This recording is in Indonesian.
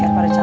ya pada cakar